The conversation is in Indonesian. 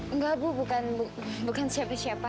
enggak bu bukan siapa siapa